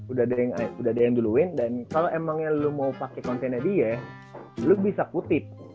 udah ada yang duluin dan kalau emangnya lo mau pakai kontennya dia lo bisa kutip